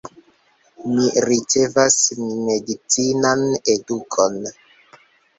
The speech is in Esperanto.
Mi ricevas medicinan edukon.